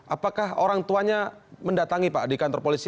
apakah orang tuanya mendatangi pak di kantor polisi